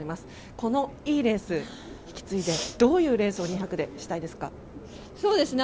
このいいレース、引き継いでどういうレースを２００ｍでしたいですか？